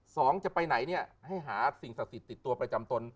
สองจะไปไหนเนี่ยให้หาสิ่งศักดิ์ติดตัวไปจำตน